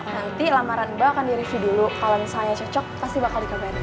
nanti lamaran mbak akan di review dulu kalau misalnya cocok pasti bakal dikabarin